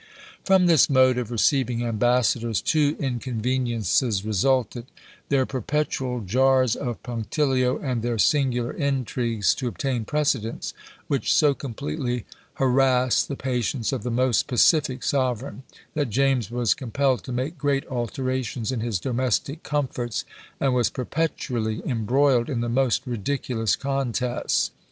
From this mode of receiving ambassadors, two inconveniences resulted; their perpetual jars of punctilio, and their singular intrigues to obtain precedence, which so completely harassed the patience of the most pacific sovereign, that James was compelled to make great alterations in his domestic comforts, and was perpetually embroiled in the most ridiculous contests.